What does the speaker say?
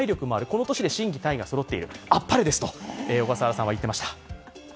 この年で心技体がそろっている、あっぱれですと小笠原さんは言ってました。